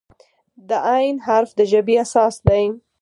د "ع" حرف د ژبې اساس دی.